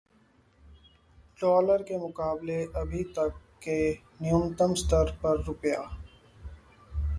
dollar के मुकाबले अभी तक के न्यूनतम स्तर पर रुपया